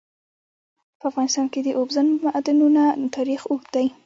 په افغانستان کې د اوبزین معدنونه تاریخ اوږد دی.